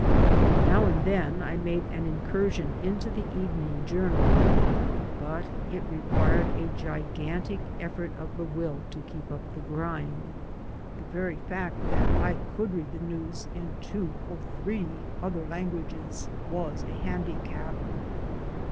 Now and then I made an incursion into the Evening Journal. But it required a gigantic effort of the will to keep up the grind. The very fact that I could read the news in two or three other languages was a handicap.